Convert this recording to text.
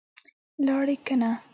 لاړې که نه؟